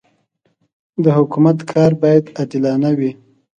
د حکومت کار باید عادلانه وي.